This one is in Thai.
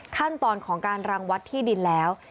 ขั้นตอนของการรังวัดที่ดินแล้ว